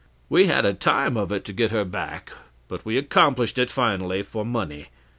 "We had a time of it to get her back; but we accomplished it finally, for money.